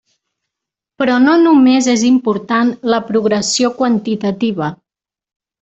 Però no només és important la progressió quantitativa.